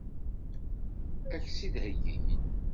Ad k-tt-id-heggin?